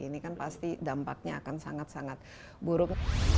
ini kan pasti dampaknya akan sangat sangat buruk